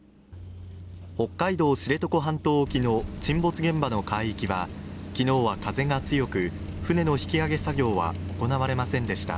北海道知床半島沖の沈没現場の海域は昨日は風が強く、船の引き揚げ作業は行われませんでした。